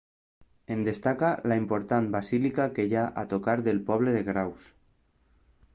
En destaca la important basílica que hi ha a tocar del poble de Graus.